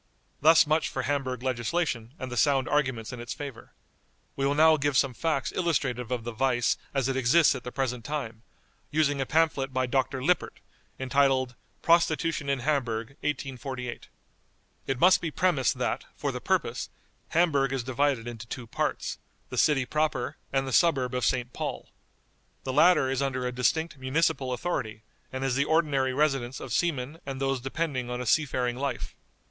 Thus much for Hamburg legislation, and the sound arguments in its favor. We will now give some facts illustrative of the vice as it exists at the present time, using a pamphlet by Dr. LIPPERT, entitled "Prostitution in Hamburg. 1848." It must be premised that, for the purpose, Hamburg is divided into two parts: the city proper, and the suburb of St. Paul. The latter is under a distinct municipal authority, and is the ordinary residence of seamen and those depending on a seafaring life.